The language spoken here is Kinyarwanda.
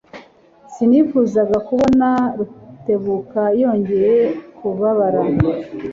Sinifuzaga kubona Rutebuka yongeye kubabara.